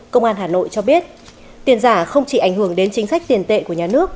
công an hà nội cho biết tiền giả không chỉ ảnh hưởng đến chính sách tiền tệ của nhà nước